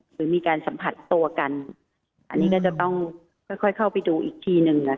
หรือมีการสัมผัสตัวกันอันนี้ก็จะต้องค่อยเข้าไปดูอีกทีหนึ่ง